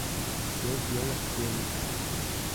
Всё дело в теме.